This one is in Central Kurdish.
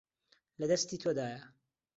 لە دەستی تۆدایە.